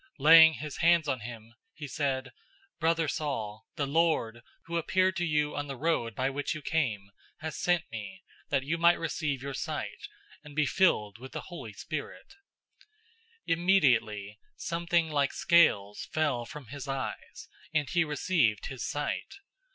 Laying his hands on him, he said, "Brother Saul, the Lord, who appeared to you on the road by which you came, has sent me, that you may receive your sight, and be filled with the Holy Spirit." 009:018 Immediately something like scales fell from his eyes, and he received his sight.